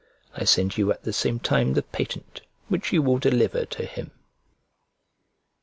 I send you at the same time the patent, which you will deliver to him.